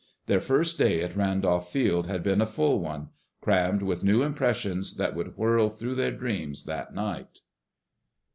Their first day at Randolph Field had been a full one—crammed with new impressions that would whirl through their dreams that night.